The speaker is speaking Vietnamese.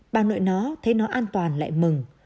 ba nội nó thấy nó an toàn lại mừng